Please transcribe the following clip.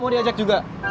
mau diajak juga